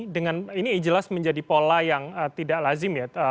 dengan ini jelas menjadi pola yang tidak lazim ya